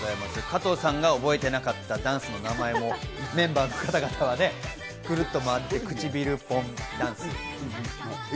加藤さんが覚えてなかったダンスの名前もメンバーの方々はね、くるっと回って唇ぽんダンス。